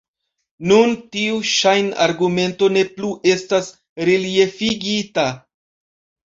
Nun tiu ŝajn-argumento ne plu estas reliefigita.